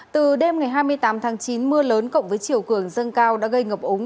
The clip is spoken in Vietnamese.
từ đêm ngày hai mươi tám tháng chín mưa lớn cộng với chiều cường dâng cao đã gây ngập ống